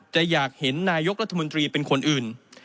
จะอยากเห็นนายกรัฐมนตรีเป็นคนอื่น